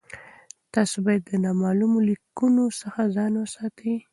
تاسي باید له نامعلومو لینکونو څخه ځان وساتئ.